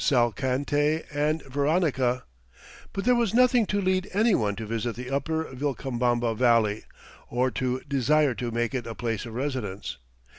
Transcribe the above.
Salcantay and Veronica; but there was nothing to lead any one to visit the upper Vilcabamba Valley or to desire to make it a place of residence.